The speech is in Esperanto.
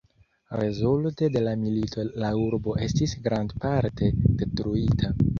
Rezulte de la milito la urbo estis grandparte detruita.